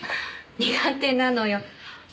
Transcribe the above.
苦手なのよ。